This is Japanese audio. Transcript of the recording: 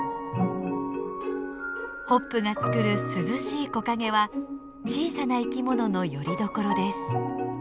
ホップがつくる涼しい木陰は小さな生きもののよりどころです。